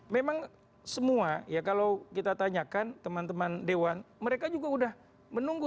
memang semua ya kalau kita tanyakan teman teman dewan mereka juga sudah menunggu